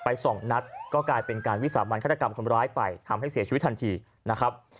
สองนัดก็กลายเป็นการวิสามันฆาตกรรมคนร้ายไปทำให้เสียชีวิตทันทีนะครับ